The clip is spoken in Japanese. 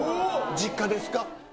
実家ですか？